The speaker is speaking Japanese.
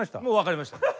もう分かりました。